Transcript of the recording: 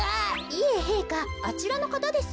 いえへいかあちらのかたです。